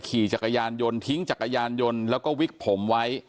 ขี่จักรยานยนต์ทิ้งจักรยานยนต์แล้วก็วิกผมไว้